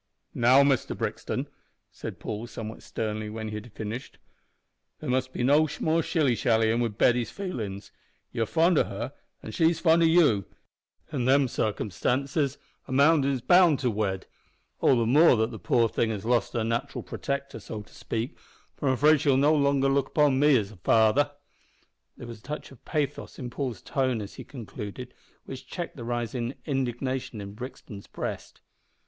"Now, Mister Brixton," said Paul, somewhat sternly, when he had finished, "there must be no more shilly shallyin' wi' Betty's feelin's. You're fond o' her, an' she's fond o' you. In them circumstances a man is bound to wed all the more that the poor thing has lost her nat'ral protector, so to speak, for I'm afraid she'll no longer look upon me as a father." There was a touch of pathos in Paul's tone as he concluded, which checked the rising indignation in Brixton's breast.